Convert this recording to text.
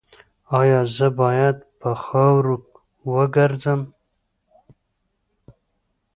ایا زه باید په خاورو وګرځم؟